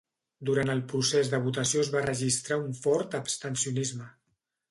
Durant el procés de votació es va registrar un fort abstencionisme.